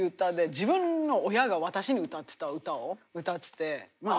自分の親が私に歌ってた歌を歌ってて。